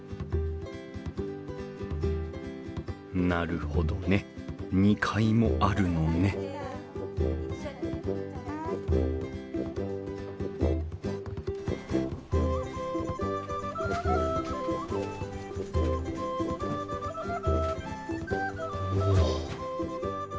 なるほどね２階もあるのねお。